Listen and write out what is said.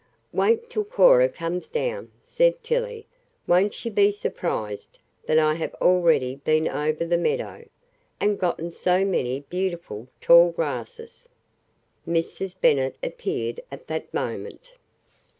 "Wait till Cora comes down," said Tillie. "Won't she be surprised that I have already been over the meadow, and gotten so many beautiful, tall grasses!" Mrs. Bennet appeared at that moment.